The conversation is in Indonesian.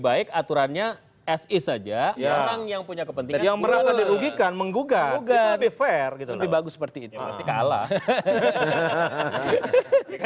baik aturannya esi saja yang menggugat berti fer kitun lebih bagus seperti itu pasti